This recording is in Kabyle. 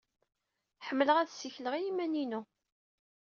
Ḥemmleɣ ad ssikleɣ i yiman-inu.